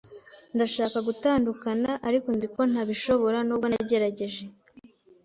Ndashaka gutandukana, ariko nzi ko ntabishobora nubwo nagerageje.